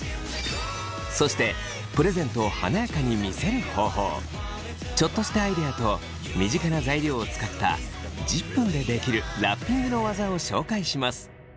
そしてプレゼントをちょっとしたアイデアと身近な材料を使った１０分で出来るラッピングの技を紹介します。